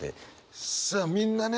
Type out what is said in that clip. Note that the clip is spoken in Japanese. さあみんなね